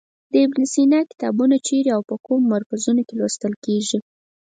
د ابن سینا کتابونه چیرې او په کومو مرکزونو کې لوستل کیږي.